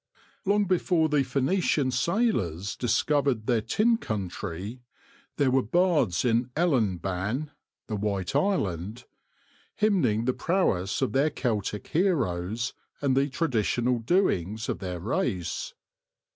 Long before the Phoeni cian sailors discovered their tin country, there were bards in Eilanban — the White Island — hymning the prowess of their Celtic heroes and the traditional doings of their race.